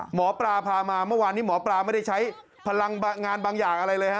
หมอปลาพามาเมื่อวานนี้หมอปลาไม่ได้ใช้พลังงานบางอย่างอะไรเลยฮะ